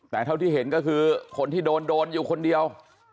แต่เท่าที่เห็นก็คือคนที่โดนโดนอยู่คนเดียว